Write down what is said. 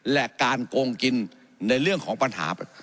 และการโกงกินในเรื่องของปัญหา